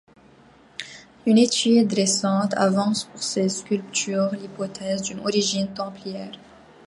Une étude récente avance pour ces sculptures l'hypothèse d'une origine templière.